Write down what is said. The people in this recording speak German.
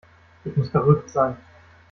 Ich muss verrückt sein.